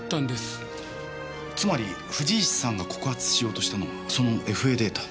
つまり藤石さんが告発しようとしたのはそのＦＡデータ。